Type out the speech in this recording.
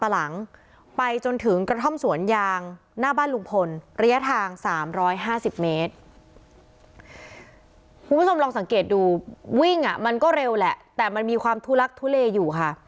คุณผู้ชมลองสังเกตดูวิ่งมันก็เร็วแหละแต่มันมีความทุลักทุเลอยู่ค่ะ